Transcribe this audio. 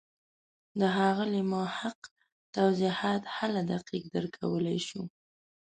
د ښاغلي محق توضیحات هله دقیق درک کولای شو.